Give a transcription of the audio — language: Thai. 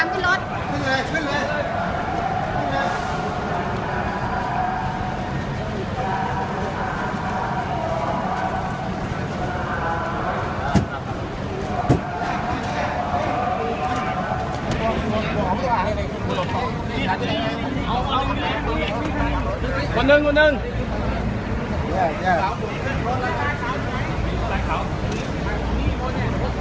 คนหนึ่งคนหนึ่ง